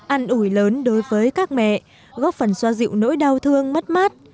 ăn ủi lớn đối với các mẹ góp phần xoa dịu nỗi đau thương mất mát